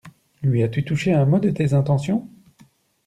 Lui as-tu touché un mot de tes intentions?